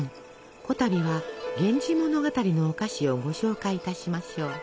こたびは「源氏物語」のお菓子をご紹介いたしましょう。